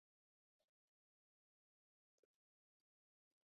په دې ځمکو کې چک او سلواکیا جمهوریتونه شامل وو.